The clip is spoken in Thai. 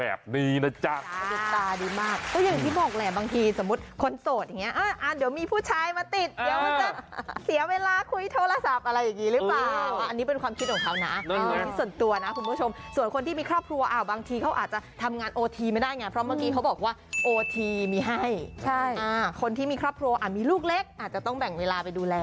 เออแปลกนะจ๊ะ